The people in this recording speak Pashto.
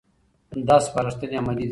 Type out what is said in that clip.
دا سپارښتنې عملي دي.